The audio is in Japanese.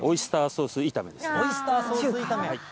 オイスターソース炒めです。